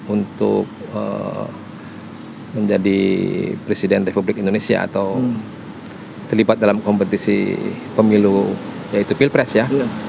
untuk menjadi presiden republik indonesia atau terlibat dalam kompetisi pemilu yaitu pilpres ya